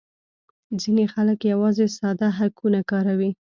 ځینې خلک یوازې ساده هکونه کاروي